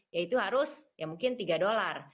yaitu harus ya mungkin tiga dolar